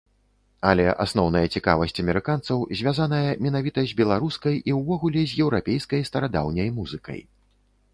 Але асноўная цікавасць амерыканцаў звязаная менавіта з беларускай і ўвогуле з еўрапейскай старадаўняй музыкай.